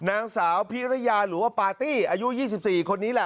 นางสาวพิรยาหรือว่าปาร์ตี้อายุ๒๔คนนี้แหละ